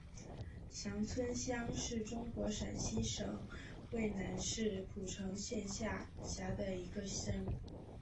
翔村乡是中国陕西省渭南市蒲城县下辖的一个乡。